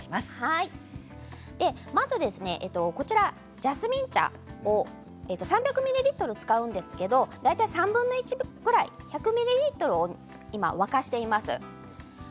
まずジャスミン茶を３００ミリリットル使うんですけど大体３分の１ぐらい１００ミリリットルを今沸かしています。